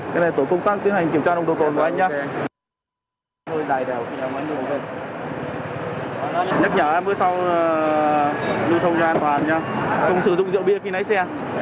không sử dụng rượu bia khi lái xe